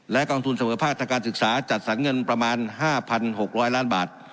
กองทุนเสมอภาคทางการศึกษาจัดสรรเงินประมาณ๕๖๐๐ล้านบาท